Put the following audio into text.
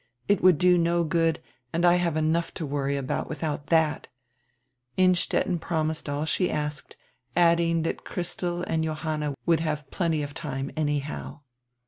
It would do no good, and I have enough to worry about without that." Innstetten promised all she asked, adding that Christel and Johanna would have plenty of time, anyhow.